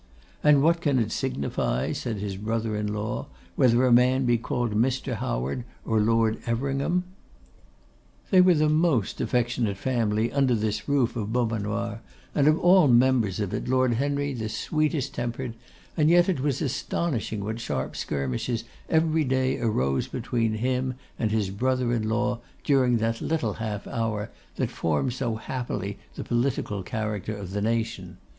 'And what can it signify,' said his brother in law, 'whether a man be called Mr. Howard or Lord Everingham?' They were the most affectionate family under this roof of Beaumanoir, and of all members of it, Lord Henry the sweetest tempered, and yet it was astonishing what sharp skirmishes every day arose between him and his brother in law, during that 'little half hour' that forms so happily the political character of the nation.